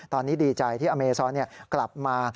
ตอนนี้ดีใจที่อเมซอนกลับมา